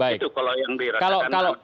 itu kalau yang dirasakan